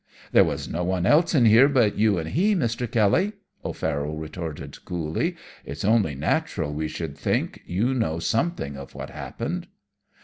"'There was no one else in here but you and he, Mr. Kelly,' O'Farroll retorted coolly. 'It's only natural we should think you know something of what happened!'